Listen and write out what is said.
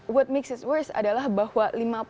what makes it worse adalah bahwa lima puluh